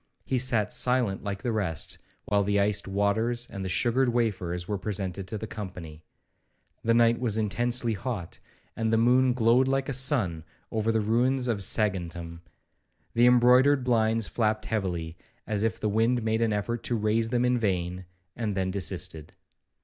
He sat silent like the rest, while the iced waters and the sugared wafers were presented to the company. The night was intensely hot, and the moon glowed like a sun over the ruins of Saguntum; the embroidered blinds flapped heavily, as if the wind made an effort to raise them in vain, and then desisted.